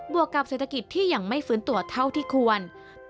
วกกับเศรษฐกิจที่ยังไม่ฟื้นตัวเท่าที่ควร